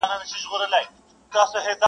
هر غزل مي په دېوان کي د ملنګ عبدالرحمن کې-